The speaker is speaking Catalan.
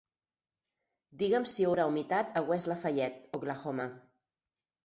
Digue'm si hi haurà humitat a West Lafayette (Oklahoma).